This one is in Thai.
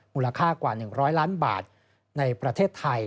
มูลค่ากว่า๑๐๐ล้านบาทในประเทศไทย